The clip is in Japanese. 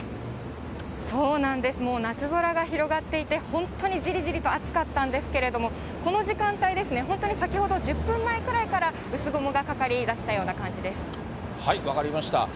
そうなんです、もう夏空が広がっていて、本当にじりじりと暑かったんですけれども、この時間帯ですね、本当に先ほど１０分前ぐらいから薄雲がかかりだしたような感じで分かりました。